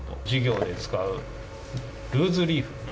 授業で使うルーズリーフ。